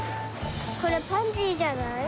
これパンジーじゃない？